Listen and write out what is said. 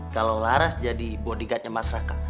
kalo laras jadi bodyguardnya mas raka